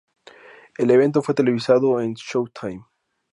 El evento fue televisado en Showtime.